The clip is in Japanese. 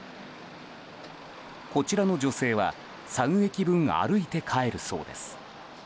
こちらの女性は、３駅分歩いて帰るそうです。